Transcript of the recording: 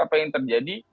apa yang terjadi